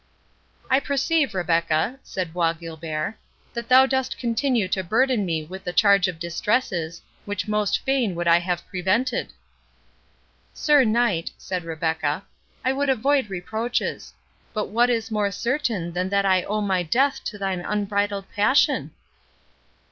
"I perceive, Rebecca," said Bois Guilbert, "that thou dost continue to burden me with the charge of distresses, which most fain would I have prevented." "Sir Knight," said Rebecca, "I would avoid reproaches—But what is more certain than that I owe my death to thine unbridled passion?"